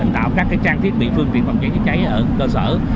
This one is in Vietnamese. tạo các trang thiết bị phương tiện phòng chạy cháy cháy ở cơ sở